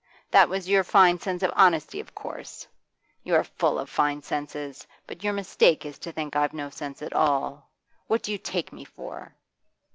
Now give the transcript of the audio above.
That was your fine sense of honesty, of course! You are full of fine senses, but your mistake is to think I've no sense at all. What do you take me for?